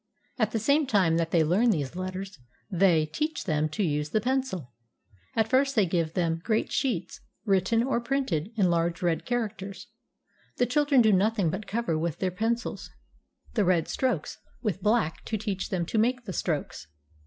At the same time that they learn these letters, they teach them to use the pencil. At first they give them 211 CHINA great sheets, written or printed in large red characters. The children do nothing but cover with their pencils the red strokes with black to teach them to make the strokes.